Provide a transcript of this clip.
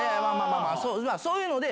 まあまあ、そういうので。